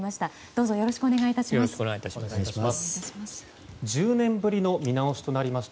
どうぞよろしくお願い致します。